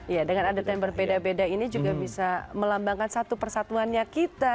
ya dengan adat yang berbeda beda ini juga bisa melambangkan satu persatuannya kita